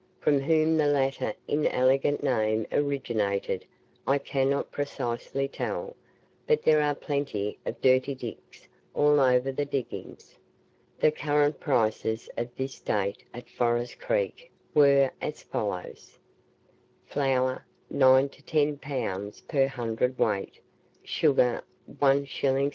From whom the latter inelegant name originated I cannot precisely tell but there are plenty of "dirty Dicks" all over the diggings. The current prices of this date at Forest Creek were as follows: flour, 9 to 10 pounds per hundred weight; sugar, 1s. 6d.